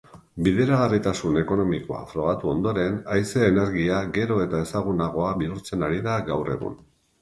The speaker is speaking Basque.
Bideragarritasun ekonomikoa frogatu ondoren, haize-energia gero eta ezagunagoa bihurtzen ari da gaur egun.